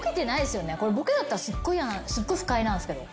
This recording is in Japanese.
これボケだったらすっごい不快なんすけど。